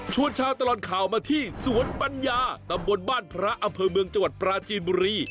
ชาวตลอดข่าวมาที่สวนปัญญาตำบลบ้านพระอำเภอเมืองจังหวัดปราจีนบุรี